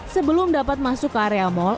sebelum dapat masuk ke area mal